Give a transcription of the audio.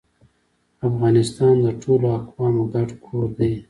افغانستان د ټولو اقوامو ګډ کور دی